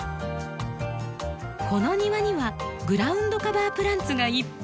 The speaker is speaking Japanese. この庭にはグラウンドカバープランツがいっぱい。